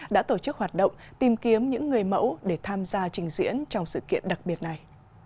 đã tổ chức hoạt động tìm kiếm những người mẫu để tham gia trình diễn trong sự kiện đặc biệt này